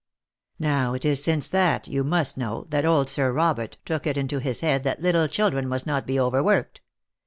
Now it is since that, you must know, that old Sir Robert took it into his head that little children must not be overworked.